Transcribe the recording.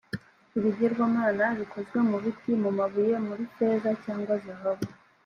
ibigirwamana bikozwe mu biti, mu mabuye, muri feza cyangwa zahabu.